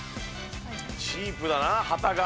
チープだな、旗が。